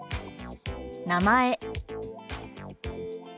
「名前」。